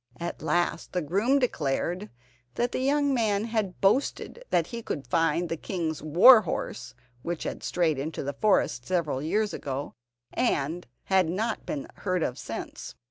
At last the groom declared that the young man had boasted that he could find the king's war horse which had strayed into the forest several years ago, and had not been heard of since.